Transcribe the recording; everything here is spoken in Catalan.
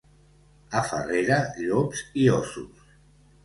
A Farrera, llops i ossos.